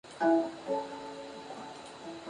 Dispone de un carril bici que recorre ambos parques.